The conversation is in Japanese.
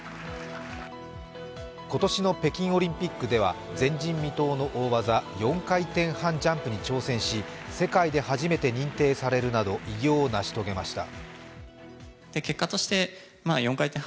今年の北京オリンピックでは前人未到の大技、４回転半ジャンプに挑戦し世界で初めて認定されるなど偉業を成し遂げました。